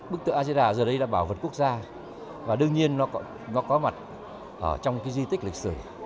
bức tượng asida giờ đây là bảo vật quốc gia và đương nhiên nó có mặt trong di tích lịch sử